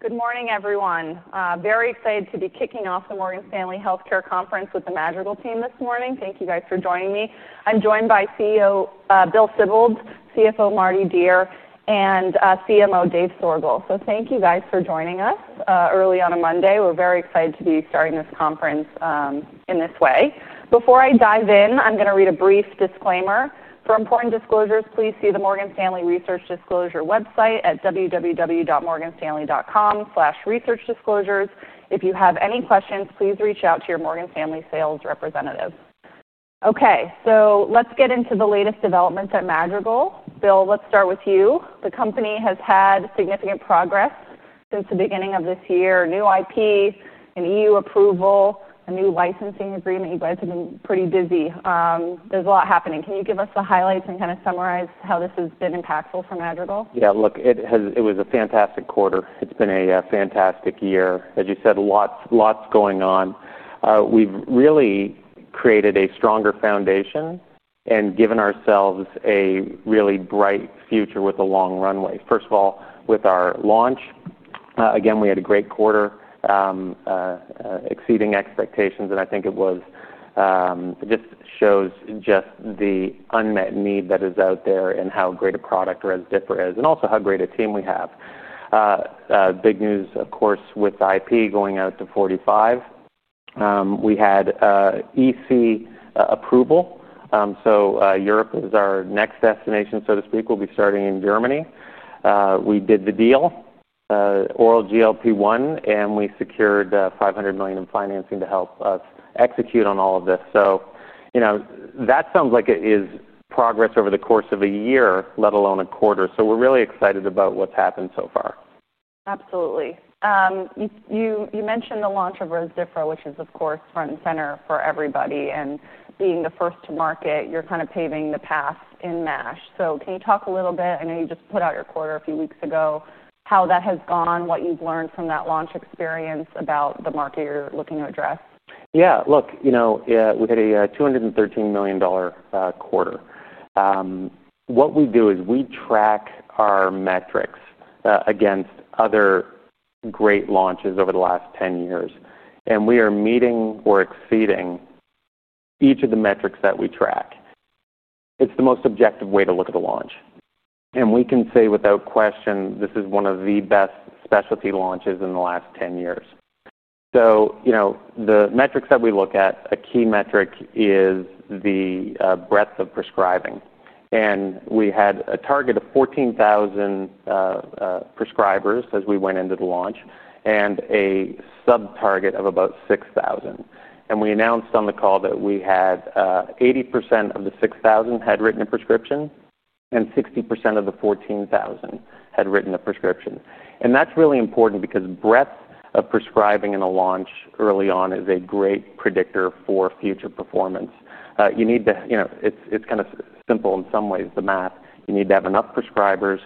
Good morning, everyone. Very excited to be kicking off the Morgan Stanley Health Care Conference with the Madrigal team this morning. Thank you guys for joining me. I'm joined by CEO Bill Sibold, CFO Mardi Dier, and CMO Dave Sorgel. Thank you guys for joining us early on a Monday. We're very excited to be starting this conference in this way. Before I dive in, I'm going to read a brief disclaimer. For important disclosures, please see the Morgan Stanley Research Disclosure website at www.morganstanley.com/researchdisclosures. If you have any questions, please reach out to your Morgan Stanley sales representative. OK, let's get into the latest developments at Madrigal. Bill, let's start with you. The company has had significant progress since the beginning of this year, new IP, an EU approval, a new licensing agreement. You guys have been pretty busy. There's a lot happening. Can you give us the highlights and kind of summarize how this has been impactful for Madrigal? Yeah, look, it was a fantastic quarter. It's been a fantastic year. As you said, lots going on. We've really created a stronger foundation and given ourselves a really bright future with a long runway. First of all, with our launch, again, we had a great quarter, exceeding expectations. I think it just shows the unmet need that is out there and how great a product Rezdiffra is and also how great a team we have. Big news, of course, with intellectual property protection going out to 2045. We had European Commission approval. Europe is our next destination, so to speak. We'll be starting in Germany. We did the deal, oral GLP-1, and we secured $500 million in financing to help us execute on all of this. You know that sounds like it is progress over the course of a year, let alone a quarter. We're really excited about what's happened so far. Absolutely. You mentioned the launch of Rezdiffra, which is, of course, front and center for everybody. Being the first to market, you're kind of paving the path in MASH. Can you talk a little bit? I know you just put out your quarter a few weeks ago, how that has gone, what you've learned from that launch experience about the market you're looking to address? Yeah, look, you know we had a $213 million quarter. What we do is we track our metrics against other great launches over the last 10 years. We are meeting or exceeding each of the metrics that we track. It's the most objective way to look at a launch. We can say, without question, this is one of the best specialty launches in the last 10 years. The metrics that we look at, a key metric is the breadth of prescribing. We had a target of 14,000 prescribers as we went into the launch and a sub-target of about 6,000. We announced on the call that we had 80% of the 6,000 had written a prescription and 60% of the 14,000 had written a prescription. That's really important because breadth of prescribing in a launch early on is a great predictor for future performance. It's kind of simple in some ways, the math. You need to have enough prescribers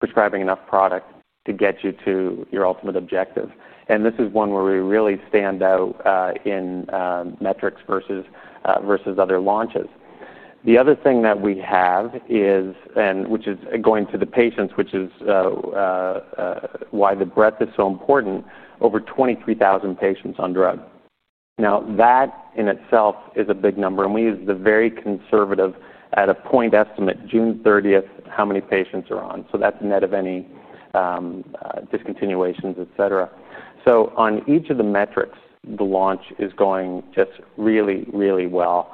prescribing enough product to get you to your ultimate objective. This is one where we really stand out in metrics versus other launches. The other thing that we have is, and which is going to the patients, which is why the breadth is so important, over 23,000 patients on drug. That in itself is a big number. We use the very conservative, at a point estimate, June 30, how many patients are on. That's net of any discontinuations, et cetera. On each of the metrics, the launch is going just really, really well.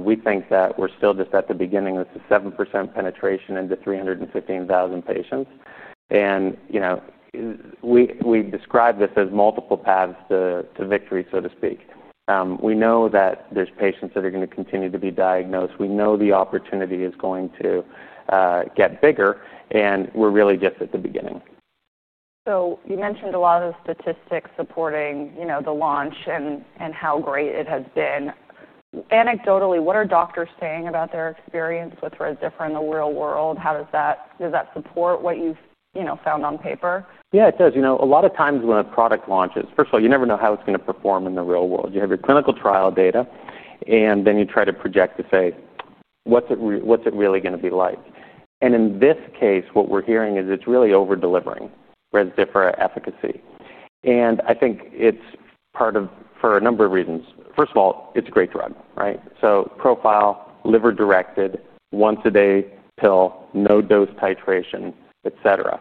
We think that we're still just at the beginning with the 7% penetration into 315,000 patients. We describe this as multiple paths to victory, so to speak. We know that there's patients that are going to continue to be diagnosed. We know the opportunity is going to get bigger. We're really just at the beginning. You mentioned a lot of the statistics supporting the launch and how great it has been. Anecdotally, what are doctors saying about their experience with Rezdiffra in the real world? How does that support what you found on paper? Yeah, it does. A lot of times when a product launches, first of all, you never know how it's going to perform in the real world. You have your clinical trial data, and then you try to project to say, what's it really going to be like? In this case, what we're hearing is it's really over-delivering Rezdiffra efficacy. I think it's part of, for a number of reasons. First of all, it's a great drug, right? Profile, liver-directed, once-a-day pill, no dose titration, et cetera.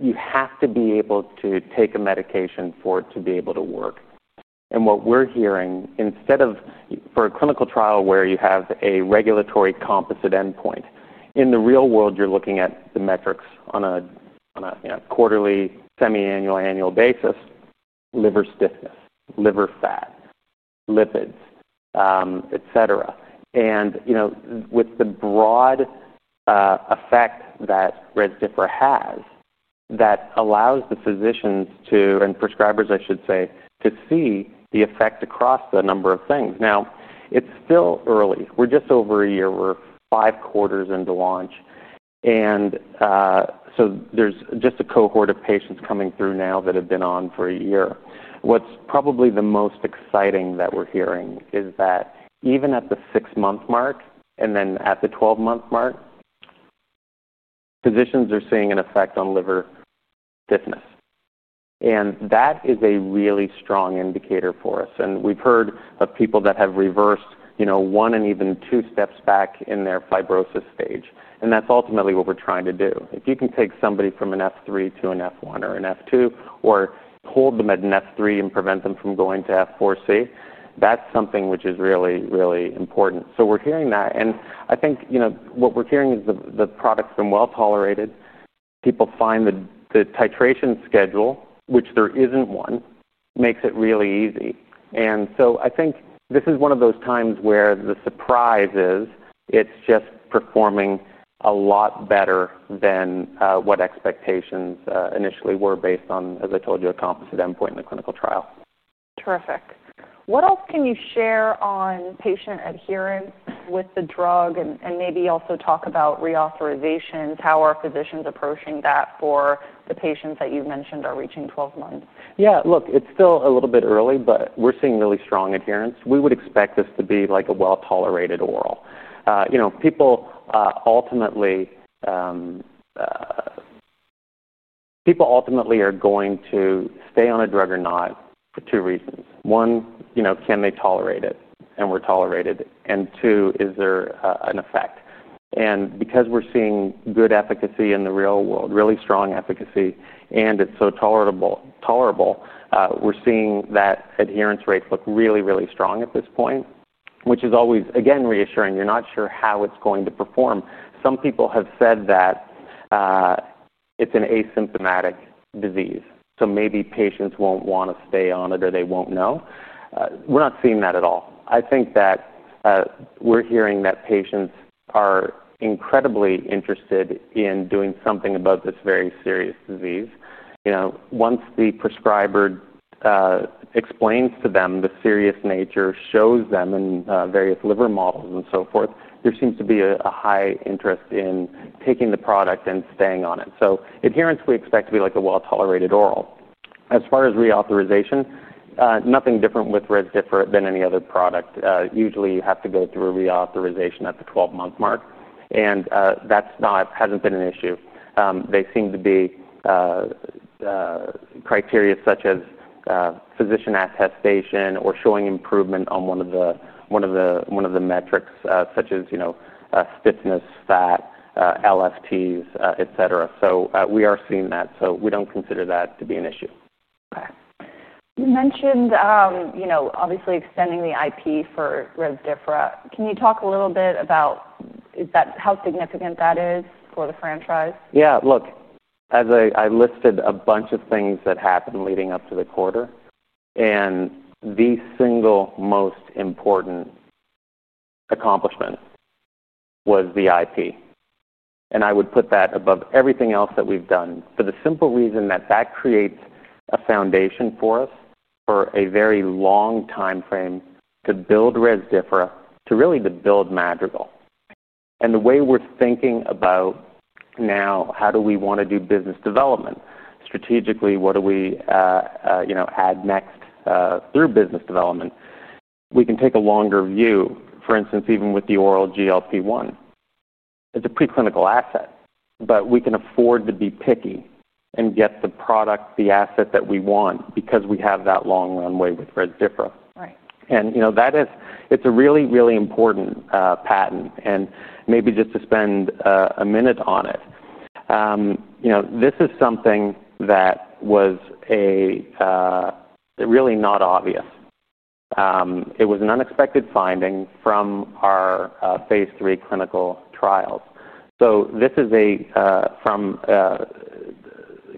You have to be able to take a medication for it to be able to work. What we're hearing, instead of for a clinical trial where you have a regulatory composite endpoint, in the real world, you're looking at the metrics on a quarterly, semi-annual, annual basis: liver stiffness, liver fat, lipids, et cetera. With the broad effect that Rezdiffra has, that allows the physicians and prescribers, I should say, to see the effect across a number of things. It's still early. We're just over a year. We're five quarters into launch, and so there's just a cohort of patients coming through now that have been on for a year. What's probably the most exciting that we're hearing is that even at the six-month mark and then at the 12-month mark, physicians are seeing an effect on liver stiffness. That is a really strong indicator for us. We've heard of people that have reversed, you know, one and even two steps back in their fibrosis stage. That's ultimately what we're trying to do. If you can take somebody from an F3 to an F1 or an F2 or hold them at an F3 and prevent them from going to advanced fibrosis (F4), that's something which is really, really important. We're hearing that. I think what we're hearing is the product's been well-tolerated. People find that the titration schedule, which there isn't one, makes it really easy. I think this is one of those times where the surprise is it's just performing a lot better than what expectations initially were based on, as I told you, a composite endpoint in the clinical trial. Terrific. What else can you share on patient adherence with the drug, and maybe also talk about reauthorizations? How are physicians approaching that for the patients that you've mentioned are reaching 12 months? Yeah, look, it's still a little bit early, but we're seeing really strong adherence. We would expect this to be like a well-tolerated oral. You know, people ultimately are going to stay on a drug or not for two reasons. One, you know, can they tolerate it? And we're tolerated. Two, is there an effect? Because we're seeing good efficacy in the real world, really strong efficacy, and it's so tolerable, we're seeing that adherence rates look really, really strong at this point, which is always, again, reassuring. You're not sure how it's going to perform. Some people have said that it's an asymptomatic disease, so maybe patients won't want to stay on it or they won't know. We're not seeing that at all. I think that we're hearing that patients are incredibly interested in doing something about this very serious disease. You know, once the prescriber explains to them the serious nature, shows them in various liver models and so forth, there seems to be a high interest in taking the product and staying on it. Adherence, we expect to be like a well-tolerated oral. As far as reauthorization, nothing different with Rezdiffra than any other product. Usually, you have to go through a reauthorization at the 12-month mark, and that hasn't been an issue. They seem to be criteria such as physician attestation or showing improvement on one of the metrics, such as stiffness, fat, LFTs, etc. We are seeing that, so we don't consider that to be an issue. OK. You mentioned, you know, obviously extending the intellectual property protection for Rezdiffra. Can you talk a little bit about how significant that is for the franchise? Yeah, look, as I listed a bunch of things that happened leading up to the quarter, the single most important accomplishment was the intellectual property. I would put that above everything else that we've done for the simple reason that that creates a foundation for us for a very long time frame to build Rezdiffra, to really build Madrigal. The way we're thinking about now, how do we want to do business development? Strategically, what do we add next through business development? We can take a longer view. For instance, even with the oral GLP-1, it's a preclinical asset. We can afford to be picky and get the product, the asset that we want because we have that long runway with Rezdiffra. That is, it's a really, really important patent. Maybe just to spend a minute on it, this is something that was really not obvious. It was an unexpected finding from our phase III clinical trial. This is from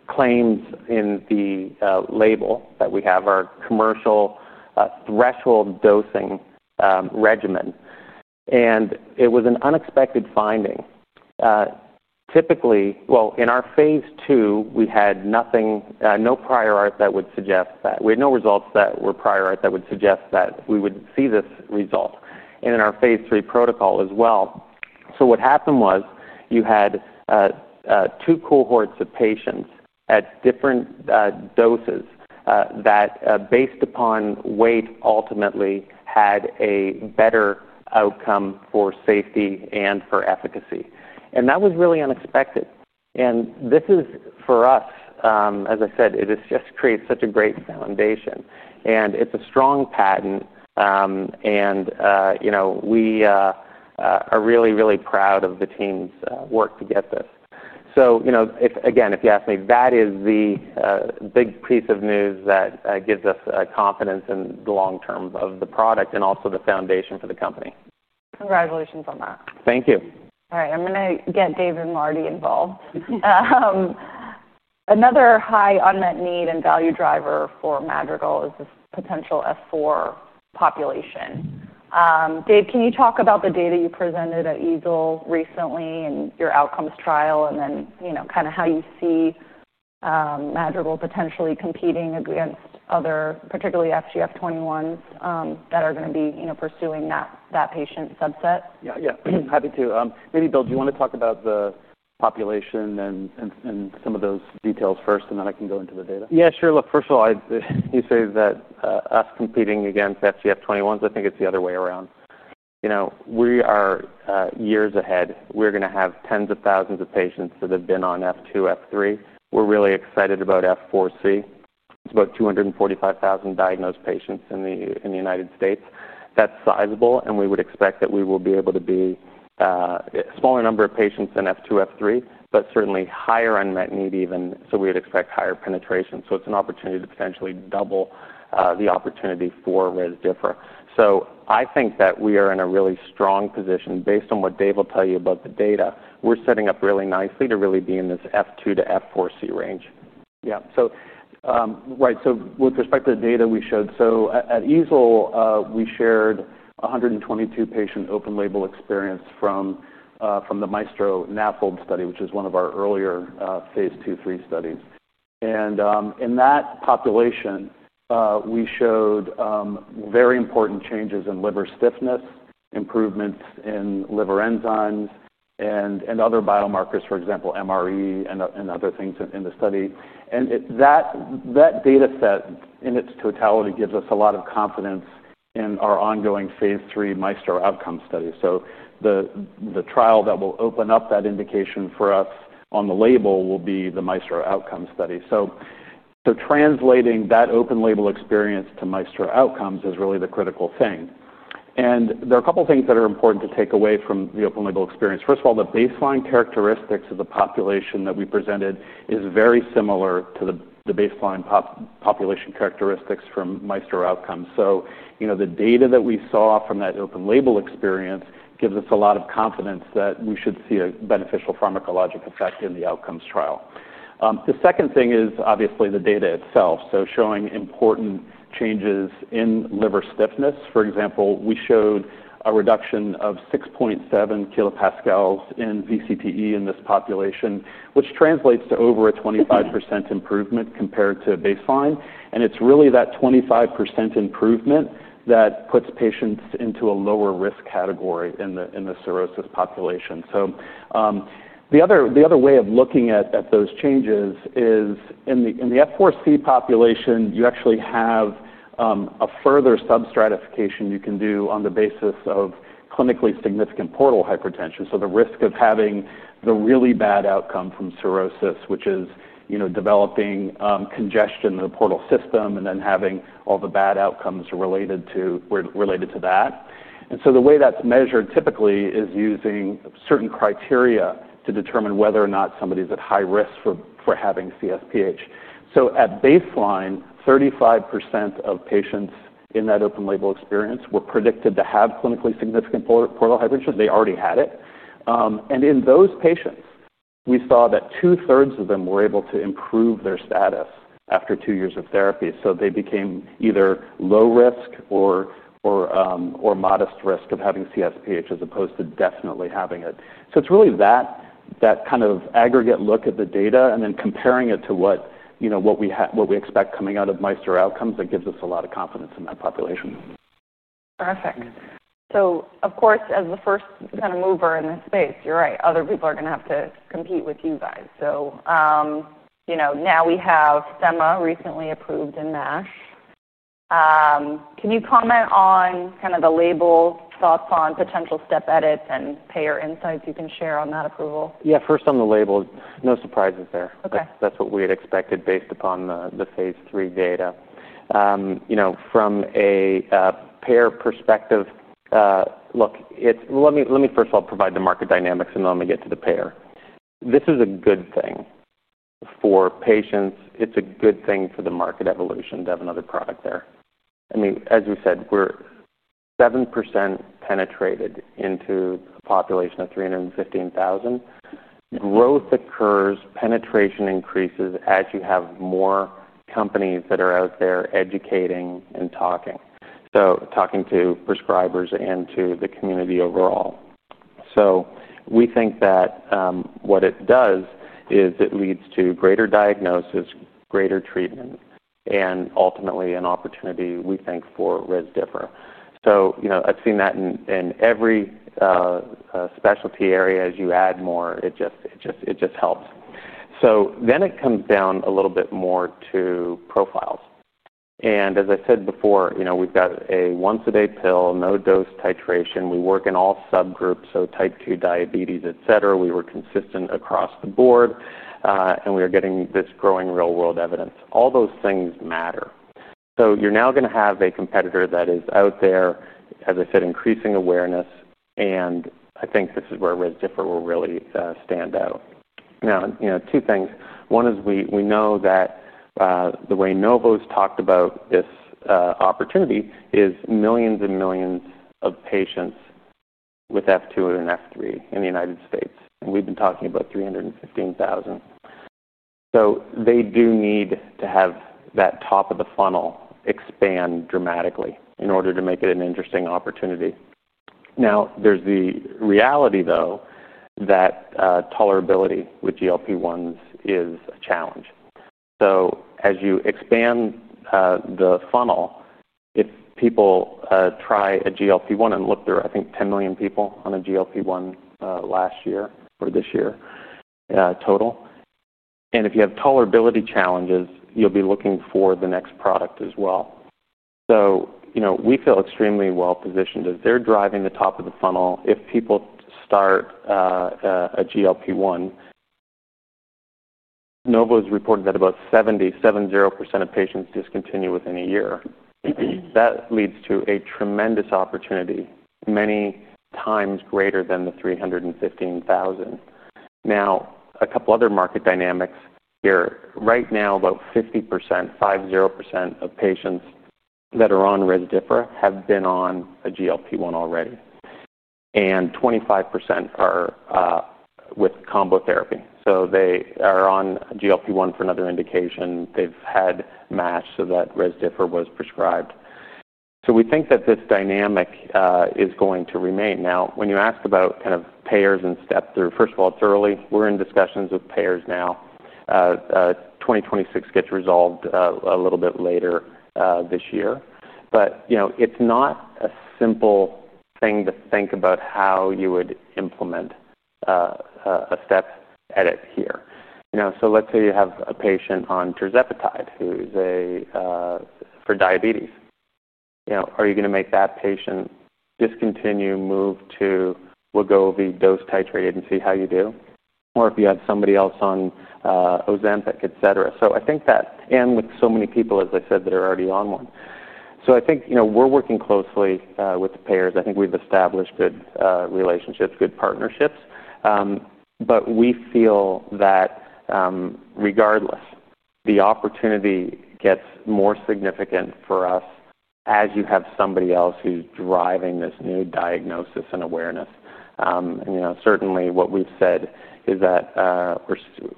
claims in the label that we have our commercial threshold dosing regimen. It was an unexpected finding. Typically, in our phase II, we had no prior art that would suggest that. We had no results that were prior art that would suggest that we would see this result, and in our phase III protocol as well. What happened was you had two cohorts of patients at different doses that, based upon weight, ultimately had a better outcome for safety and for efficacy. That was really unexpected. For us, as I said, it just creates such a great foundation. It's a strong patent. We are really, really proud of the team's work to get this. If you ask me, that is the big piece of news that gives us confidence in the long term of the product and also the foundation for the company. Congratulations on that. Thank you. All right, I'm going to get Dave and Mardi involved. Another high unmet need and value driver for Madrigal is this potential F4 population. Dave, can you talk about the data you presented at EGLE recently and your outcomes trial, and then kind of how you see Madrigal potentially competing against other, particularly FGF21s that are going to be pursuing that patient subset? Yeah, happy to. Maybe, Bill, do you want to talk about the population and some of those details first? I can go into the data. Yeah, sure. First of all, you say that us competing against FGF21s, I think it's the other way around. We are years ahead. We're going to have tens of thousands of patients that have been on F2, F3. We're really excited about F4. It's about 245,000 diagnosed patients in the United States. That's sizable. We would expect that we will be able to be a smaller number of patients in F2, F3, but certainly higher unmet need even. We would expect higher penetration. It's an opportunity to potentially double the opportunity for Rezdiffra. I think that we are in a really strong position. Based on what Dave will tell you about the data, we're setting up really nicely to really be in this F2 to F4 range. Yeah, right. With respect to the data we showed, at EGLE, we shared 122 patient open-label experience from the Maestro NAFLD study, which is one of our earlier phase II, III studies. In that population, we showed very important changes in liver stiffness, improvements in liver enzymes, and other biomarkers, for example, MRE and other things in the study. That data set in its totality gives us a lot of confidence in our ongoing phase III Maestro Outcomes study. The trial that will open up that indication for us on the label will be the Maestro Outcomes study. Translating that open-label experience to Maestro Outcomes is really the critical thing. There are a couple of things that are important to take away from the open-label experience. First of all, the baseline characteristics of the population that we presented are very similar to the baseline population characteristics from Maestro Outcomes. The data that we saw from that open-label experience gives us a lot of confidence that we should see a beneficial pharmacologic effect in the Outcomes trial. The second thing is obviously the data itself, showing important changes in liver stiffness. For example, we showed a reduction of 6.7 kilopascals in VCTE in this population, which translates to over a 25% improvement compared to baseline. It's really that 25% improvement that puts patients into a lower risk category in the cirrhosis population. The other way of looking at those changes is in the F4 population, you actually have a further sub-stratification you can do on the basis of clinically significant portal hypertension. The risk of having the really bad outcome from cirrhosis is developing congestion in the portal system and then having all the bad outcomes related to that. The way that's measured typically is using certain criteria to determine whether or not somebody is at high risk for having CSPH. At baseline, 35% of patients in that open-label experience were predicted to have clinically significant portal hypertension. They already had it. In those patients, we saw that 2/3 of them were able to improve their status after two years of therapy. They became either low risk or modest risk of having CSPH as opposed to definitely having it. It's really that kind of aggregate look at the data and then comparing it to what we expect coming out of Maestro Outcomes that gives us a lot of confidence in that population. Perfect. Of course, as the first kind of mover in this space, you're right, other people are going to have to compete with you guys. You know now we have Rezdiffra recently approved in MASH. Can you comment on kind of the label, thoughts on potential step edits, and payer insights you can share on that approval? Yeah, first on the label, no surprises there. That's what we had expected based upon the phase III data. You know, from a payer perspective, let me first of all provide the market dynamics and then let me get to the payer. This is a good thing for patients. It's a good thing for the market evolution to have another product there. I mean, as we said, we're 7% penetrated into a population of 315,000. Growth occurs, penetration increases as you have more companies that are out there educating and talking to prescribers and to the community overall. We think that what it does is it leads to greater diagnosis, greater treatment, and ultimately an opportunity, we think, for Rezdiffra. I've seen that in every specialty area. As you add more, it just helps. It comes down a little bit more to profiles. As I said before, we've got a once-a-day pill, no dose titration. We work in all subgroups, so type 2 diabetes, et cetera. We were consistent across the board. We are getting this growing real-world evidence. All those things matter. You're now going to have a competitor that is out there, as I said, increasing awareness. I think this is where Rezdiffra will really stand out. Now, two things. One is we know that the way Novo talked about this opportunity is millions and millions of patients with F2 and F3 in the United States. We've been talking about 315,000. They do need to have that top of the funnel expand dramatically in order to make it an interesting opportunity. There's the reality, though, that tolerability with GLP-1 receptor agonists is a challenge. As you expand the funnel, if people try a GLP-1 and looked through, I think, 10 million people on a GLP-1 last year or this year total. If you have tolerability challenges, you'll be looking for the next product as well. We feel extremely well positioned as they're driving the top of the funnel. If people start a GLP-1, Novo reported that about 70% of patients discontinue within a year. That leads to a tremendous opportunity, many times greater than the 315,000. A couple of other market dynamics here. Right now, about 50% of patients that are on Rezdiffra have been on a GLP-1 already. 25% are with combo therapy. They are on GLP-1 for another indication. They've had MASH so that Rezdiffra was prescribed. We think that this dynamic is going to remain. Now, when you ask about kind of payers and step through, first of all, it's early. We're in discussions with payers now. 2026 gets resolved a little bit later this year. It's not a simple thing to think about how you would implement a step edit here. Let's say you have a patient on tirzepatide, who's for diabetes. Are you going to make that patient discontinue, move to Wegovy, dose titrated, and see how you do? If you have somebody else on Ozempic, et cetera. I think that, and with so many people, as I said, that are already on one. I think we're working closely with the payers. I think we've established good relationships, good partnerships. We feel that regardless, the opportunity gets more significant for us as you have somebody else who's driving this new diagnosis and awareness. Certainly what we've said is that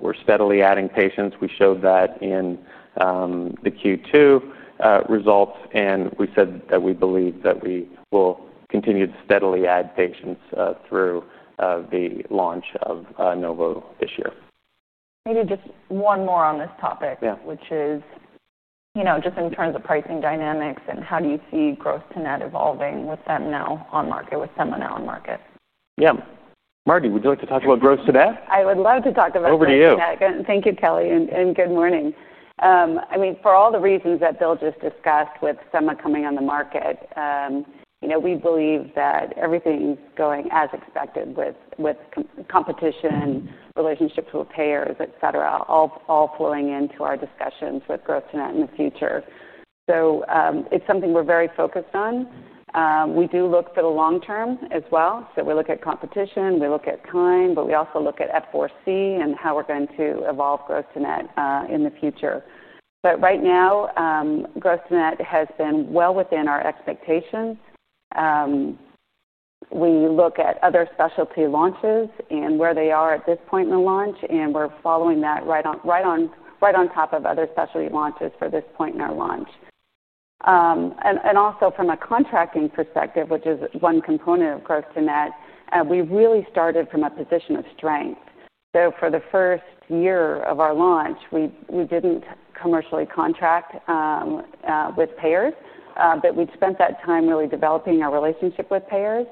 we're steadily adding patients. We showed that in the Q2 results. We said that we believe that we will continue to steadily add patients through the launch of Novo this year. Maybe just one more on this topic, which is you know just in terms of pricing dynamics and how do you see growth-to-net management evolving with them now on market, with Rezdiffra now on market? Yeah. Mardi, would you like to talk about growth-to-net? I would love to talk about growth-to-net management. Thank you, Kelly, and good morning. For all the reasons that Bill just discussed with Rezdiffra coming on the market, we believe that everything going as expected with competition, relationships with payers, et cetera, all flowing into our discussions with growth-to-net management in the future. It's something we're very focused on. We do look for the long term as well. We look at competition, we look at time, but we also look at advanced fibrosis (F4) and how we're going to evolve growth-to-net management in the future. Right now, growth-to-net management has been well within our expectation. We look at other specialty launches and where they are at this point in the launch, and we're following that right on top of other specialty launches for this point in our launch. Also, from a contracting perspective, which is one component of growth-to-net management, we really started from a position of strength. For the first year of our launch, we didn't commercially contract with payers, but we'd spent that time really developing our relationship with payers.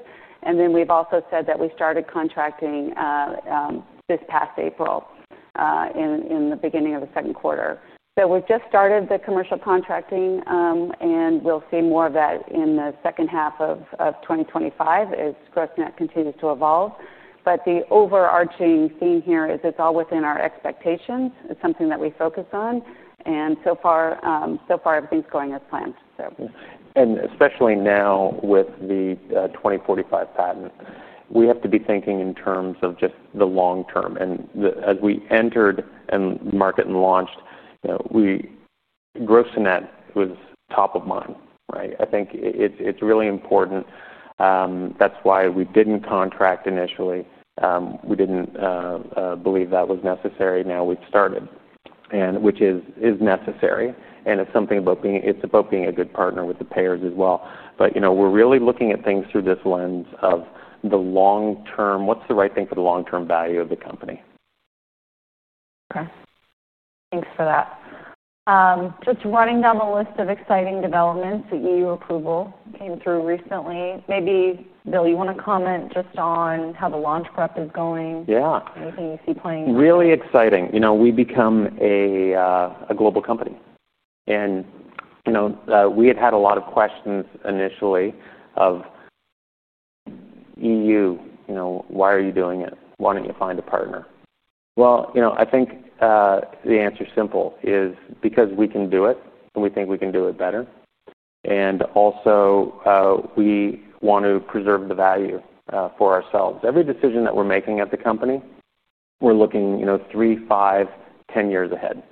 We've also said that we started contracting this past April in the beginning of the second quarter. We've just started the commercial contracting, and we'll see more of that in the second half of 2025 as growth-to-net management continues to evolve. The overarching theme here is it's all within our expectations. It's something that we focus on, and so far, everything's going as planned. Especially now with the 2045 patent, we have to be thinking in terms of just the long term. As we entered the market and launched, growth-to-net management was top of mind. I think it's really important. That's why we didn't contract initially. We didn't believe that was necessary. Now we've started, which is necessary. It's about being a good partner with the payers as well. We're really looking at things through this lens of the long term. What's the right thing for the long-term value of the company? OK. Thanks for that. Just running down the list of exciting developments, that European Commission approval came through recently. Maybe, Bill, you want to comment just on how the launch prep is going? Yeah. Anything you see playing? Really exciting. You know we become a global company. We had a lot of questions initially of EU, you know why are you doing it? Why don't you find a partner? I think the answer is simple, is because we can do it. We think we can do it better. Also, we want to preserve the value for ourselves. Every decision that we're making at the company, we're looking 3, 5, 10 years ahead.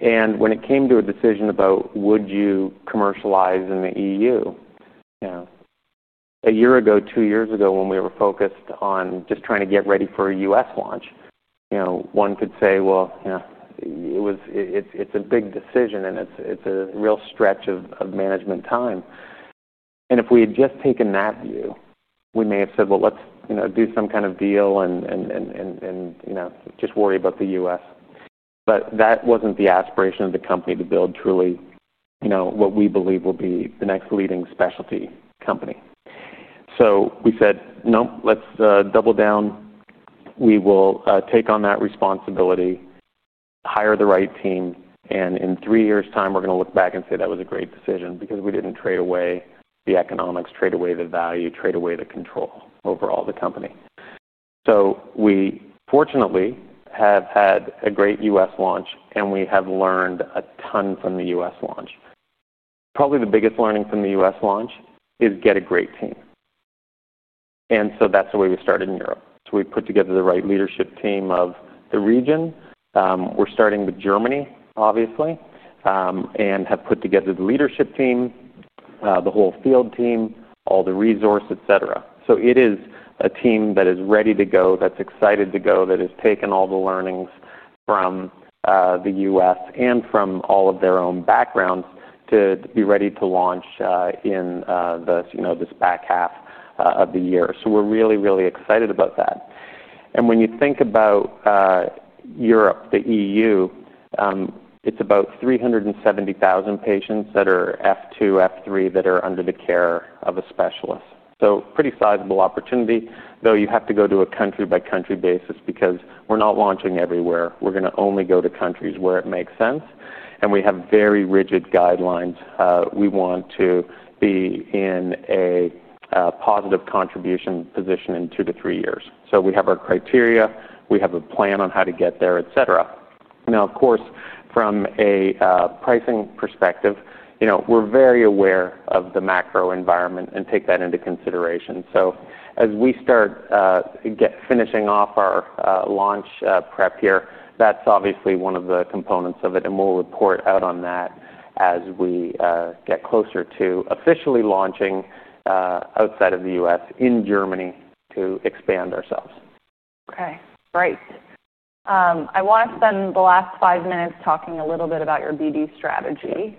When it came to a decision about would you commercialize in the EU, a year ago, two years ago when we were focused on just trying to get ready for a U.S. launch, one could say, it's a big decision. It's a real stretch of management time. If we had just taken that view, we may have said, let's do some kind of deal and just worry about the U.S. That wasn't the aspiration of the company to build truly what we believe will be the next leading specialty company. We said, no, let's double down. We will take on that responsibility, hire the right team. In three years' time, we're going to look back and say that was a great decision because we didn't trade away the economics, trade away the value, trade away the control over all the company. We, fortunately, have had a great U.S. launch. We have learned a ton from the U.S. launch. Probably the biggest learning from the U.S. launch is get a great team. That's the way we started in Europe. We put together the right leadership team of the region. We're starting with Germany, obviously, and have put together the leadership team, the whole field team, all the resource, et cetera. It is a team that is ready to go, that's excited to go, that has taken all the learnings from the U.S. and from all of their own backgrounds to be ready to launch in this back half of the year. We're really, really excited about that. When you think about Europe, the EU, it's about 370,000 patients that are F2, F3 that are under the care of a specialist. A pretty sizable opportunity, though you have to go to a country-by-country basis because we're not launching everywhere. We're going to only go to countries where it makes sense. We have very rigid guidelines. We want to be in a positive contribution position in two to three years. We have our criteria. We have a plan on how to get there, et cetera. Of course, from a pricing perspective, we're very aware of the macro environment and take that into consideration. As we start finishing off our launch prep here, that's obviously one of the components of it. We'll report out on that as we get closer to officially launching outside of the U.S. in Germany to expand ourselves. OK. Great. I want to spend the last five minutes talking a little bit about your BD strategy.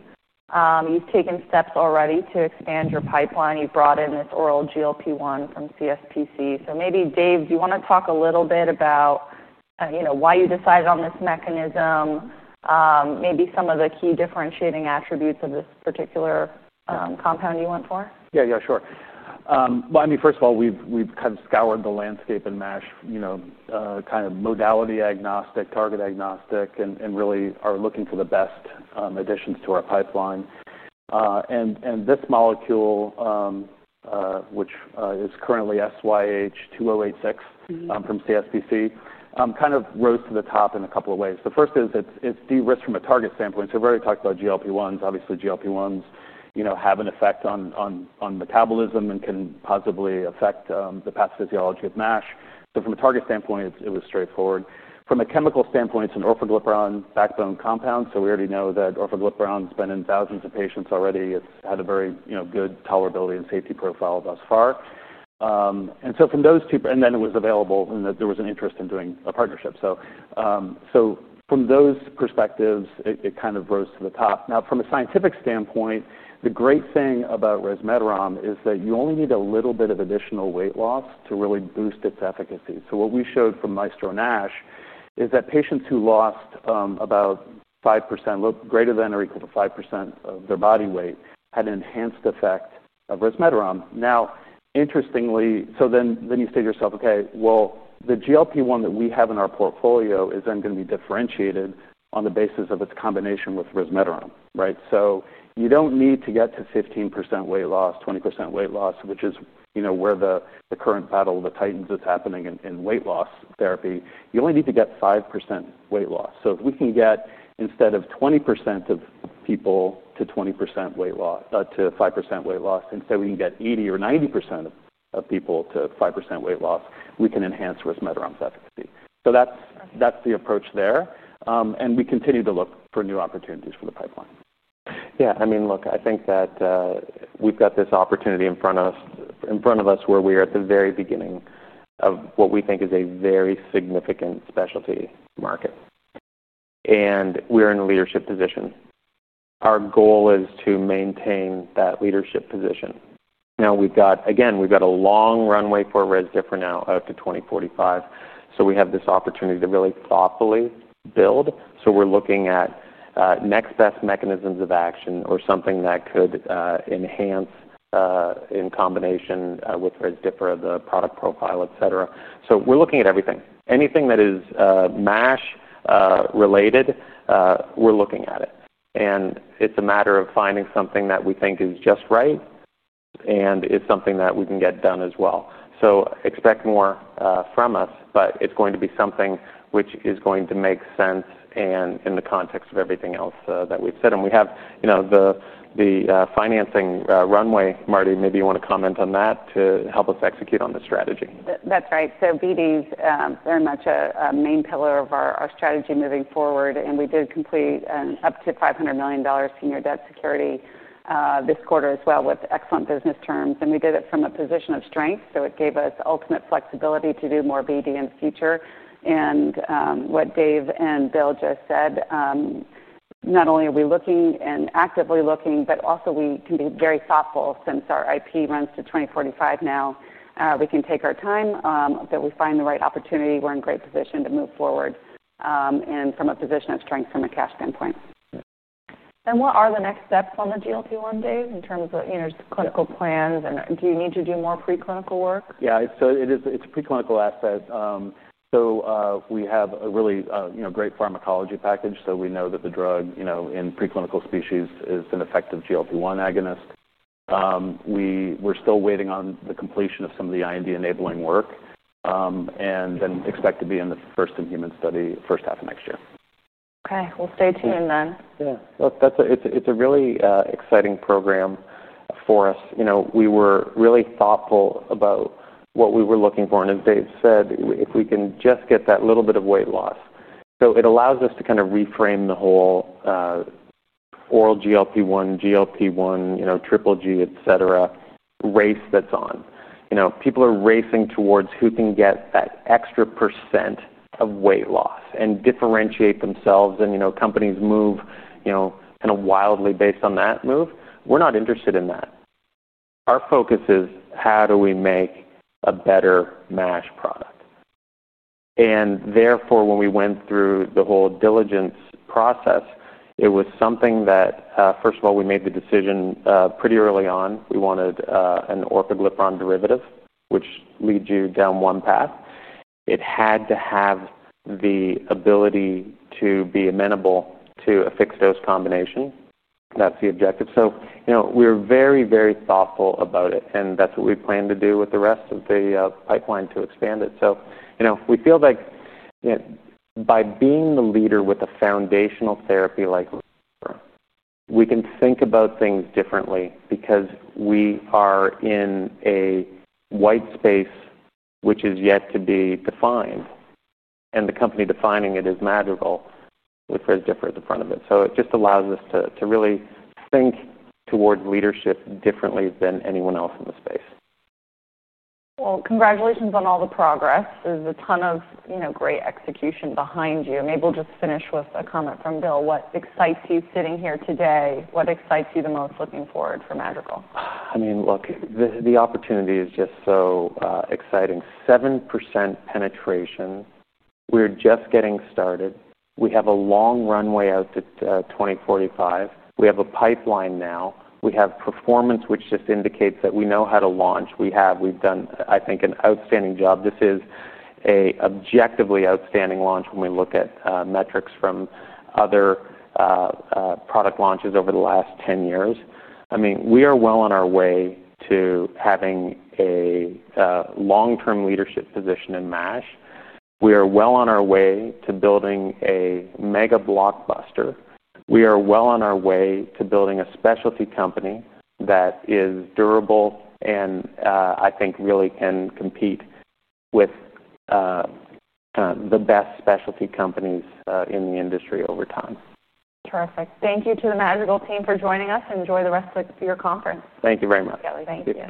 You've taken steps already to expand your pipeline. You brought in this oral GLP-1 from CSPC. Maybe, Dave, do you want to talk a little bit about why you decided on this mechanism, maybe some of the key differentiating attributes of this particular compound you went for? Yeah, sure. First of all, we've kind of scoured the landscape in MASH, kind of modality agnostic, target agnostic, and really are looking for the best additions to our pipeline. This molecule, which is currently SYH2086 from CSPC, kind of rose to the top in a couple of ways. The first is it's de-risked from a target standpoint. We've already talked about GLP-1s. Obviously, GLP-1s have an effect on metabolism and can positively affect the pathophysiology of MASH. From a target standpoint, it was straightforward. From a chemical standpoint, it's an orphaglipron backbone compound. We already know that orphaglipron's been in thousands of patients already. It's had a very good tolerability and safety profile thus far. From those two, and then it was available and there was an interest in doing a partnership. From those perspectives, it kind of rose to the top. From a scientific standpoint, the great thing about resmetirom is that you only need a little bit of additional weight loss to really boost its efficacy. What we showed from Maestro MASH is that patients who lost about 5%, greater than or equal to 5% of their body weight, had an enhanced effect of resmetirom. Interestingly, you say to yourself, OK, the GLP-1 that we have in our portfolio is then going to be differentiated on the basis of its combination with resmetirom, right? You don't need to get to 15% weight loss, 20% weight loss, which is where the current battle of the titans is happening in weight loss therapy. You only need to get 5% weight loss. If we can get instead of 20% of people to 20% weight loss, to 5% weight loss, and say we can get 80% or 90% of people to 5% weight loss, we can enhance resmetirom's efficacy. That's the approach there. We continue to look for new opportunities for the pipeline. Yeah, I mean, look, I think that we've got this opportunity in front of us where we are at the very beginning of what we think is a very significant specialty market. We are in a leadership position. Our goal is to maintain that leadership position. Now, again, we've got a long runway for Rezdiffra now out to 2045. We have this opportunity to really thoughtfully build. We're looking at next best mechanisms of action or something that could enhance in combination with Rezdiffra, the product profile, et cetera. We're looking at everything. Anything that is MASH related, we're looking at it. It's a matter of finding something that we think is just right and is something that we can get done as well. Expect more from us. It's going to be something which is going to make sense in the context of everything else that we've said. We have the financing runway. Mardi, maybe you want to comment on that to help us execute on the strategy. That's right. BD is very much a main pillar of our strategy moving forward. We did complete an up to $500 million senior debt security this quarter as well with excellent business terms. We did it from a position of strength. It gave us ultimate flexibility to do more BD in the future. What Dave and Bill just said, not only are we looking and actively looking, but also we can be very thoughtful since our intellectual property runs to 2045 now. We can take our time. When we find the right opportunity, we're in great position to move forward and from a position of strength from a cash standpoint. What are the next steps on the GLP-1, Dave, in terms of clinical plans? Do you need to do more preclinical work? Yeah, it's a preclinical aspect. We have a really great pharmacology package. We know that the drug in preclinical species is an effective GLP-1 agonist. We're still waiting on the completion of some of the IND enabling work and expect to be in the first in human study first half of next year. OK. We'll stay tuned then. Yeah, look, it's a really exciting program for us. We were really thoughtful about what we were looking for. As Dave said, if we can just get that little bit of weight loss, it allows us to kind of reframe the whole oral GLP-1, GLP-1, triple G, et cetera, race that's on. People are racing towards who can get that extra % of weight loss and differentiate themselves. Companies move kind of wildly based on that move. We're not interested in that. Our focus is how do we make a better MASH product. Therefore, when we went through the whole diligence process, it was something that, first of all, we made the decision pretty early on. We wanted an orforglipron derivative, which leads you down one path. It had to have the ability to be amenable to a fixed dose combination. That's the objective. We were very, very thoughtful about it. That's what we plan to do with the rest of the pipeline to expand it. We feel like by being the leader with a foundational therapy like Rezdiffra, we can think about things differently because we are in a white space which is yet to be defined. The company defining it is Madrigal, with Rezdiffra at the front of it. It just allows us to really think toward leadership differently than anyone else in the space. Congratulations on all the progress. There's a ton of great execution behind you. Maybe we'll just finish with a comment from Bill. What excites you sitting here today? What excites you the most looking forward for Madrigal? I mean, look, the opportunity is just so exciting. 7% penetration. We're just getting started. We have a long runway out to 2045. We have a pipeline now. We have performance, which just indicates that we know how to launch. We've done, I think, an outstanding job. This is an objectively outstanding launch when we look at metrics from other product launches over the last 10 years. I mean, we are well on our way to having a long-term leadership position in MASH. We are well on our way to building a mega blockbuster. We are well on our way to building a specialty company that is durable and I think really can compete with the best specialty companies in the industry over time. Terrific. Thank you to the Madrigal team for joining us. Enjoy the rest of your conference. Thank you very much. Thank you.